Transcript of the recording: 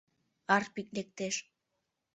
Арпик лектеш.